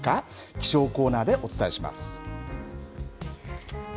気象コーナーでお伝えします。